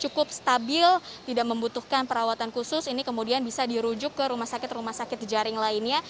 cukup stabil tidak membutuhkan perawatan khusus ini kemudian bisa dirujuk ke rumah sakit rumah sakit di jaring lainnya